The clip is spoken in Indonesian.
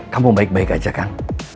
kamu baik baik aja kang